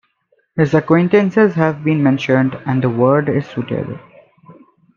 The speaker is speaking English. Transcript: His "acquaintances" have been mentioned, and the word is suitable.